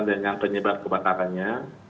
dengan penyebab kebakarannya